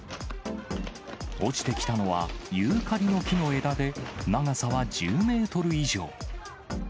落ちてきたのは、ユーカリの木の枝で、長さは１０メートル以上。